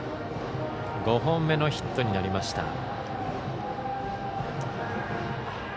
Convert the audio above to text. ５本目のヒットになりました。